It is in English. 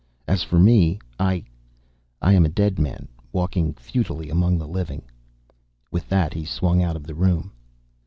As for me, I ... I am a dead man walking futilely among the living." With that, he swung out of the room.